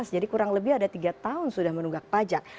jadi kurang lebih ada tiga tahun sudah menunggak pajak